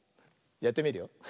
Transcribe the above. やってみるよ。